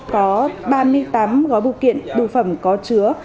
có ba mươi tám gói bưu kiện bưu phẩm có chứa